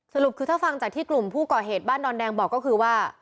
สรุปคือถ้าฟังจากที่กลุ่มผู้ก่อเหตุบ้านดอนแดงบอกก็คือว่า